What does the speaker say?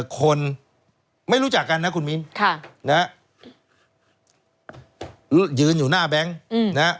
คนไม่รู้จักกันนะคุณมิ้นยืนอยู่หน้าแบงค์นะฮะ